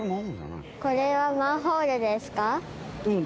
うん。